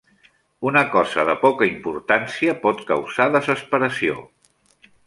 una cosa de poca importància pot causar desesperació.